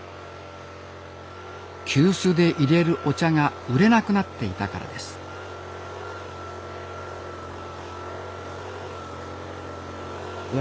急須でいれるお茶が売れなくなっていたからですいや